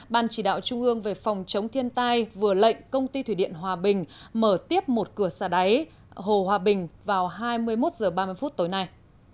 ban chỉ đạo trung ương về phòng chống thiên tai vừa lệnh công ty thủy điện hòa bình mở tiếp một cửa xả đáy hồ hòa bình vào hai mươi một h ba mươi tối nay